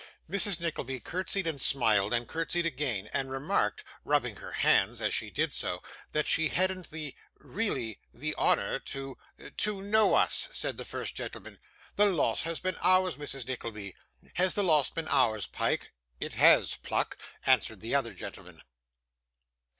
Mrs. Nickleby curtseyed and smiled, and curtseyed again, and remarked, rubbing her hands as she did so, that she hadn't the really the honour to 'To know us,' said the first gentleman. 'The loss has been ours, Mrs Nickleby. Has the loss been ours, Pyke?' 'It has, Pluck,' answered the other gentleman.